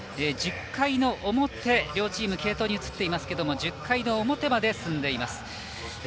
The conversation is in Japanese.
１０回の表両チーム継投に移っていますが１０回の表まで進んでいます。